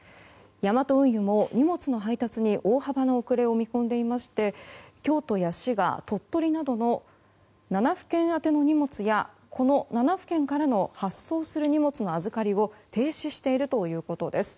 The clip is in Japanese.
ヤマト運輸も荷物の配達に大幅な遅れを見込んでいまして京都や滋賀、鳥取などの７府県宛ての荷物やこの７府県からの発送する荷物の預かりを停止しているということです。